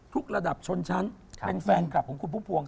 ระดับชนชั้นเป็นแฟนคลับของคุณพุ่มพวง